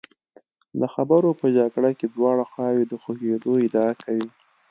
د خبرو په جګړه کې دواړه خواوې د خوږېدو ادعا کوي.